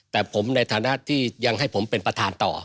แต่ผมในฐานะที่ยังให้ผมเป็นประธานต่อ